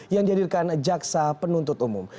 yang dihadirkan jaksa penuntut umum